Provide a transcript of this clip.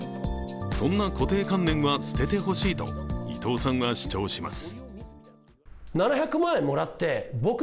そんな固定観念は捨ててほしいと伊藤さんは主張します。